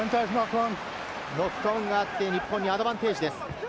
ノックオンがあって日本にアドバンテージです。